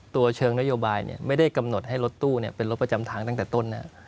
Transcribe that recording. ตัวเชิงนโยบายไม่ได้กำหนดให้รถตู้เป็นรถประจำทางตั้งแต่ต้น